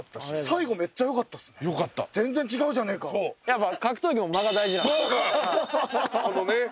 最後めっちゃよかったっすね。